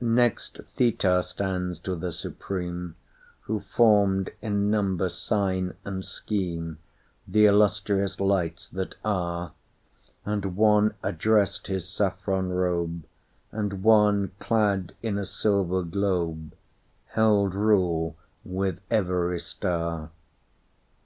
Next Theta stands to the supreme—Who formed in number, sign, and scheme, The illustrious lights that are; And one addressed his saffron robe, And one, clad in a silver globe, Held rule with every star.